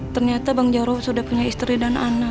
ternyata bang jarod sudah punya istri dan anak